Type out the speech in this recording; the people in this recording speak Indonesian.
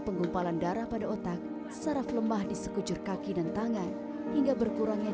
penggumpalan darah pada otak saraf lemah di sekujur kaki dan tangan hingga berkurangnya